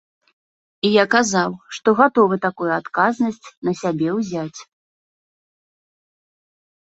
І я казаў, што гатовы такую адказнасць на сябе ўзяць.